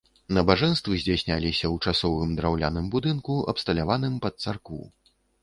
Набажэнствы здзяйсняліся ў часовым драўляным будынку, абсталяваным пад царкву.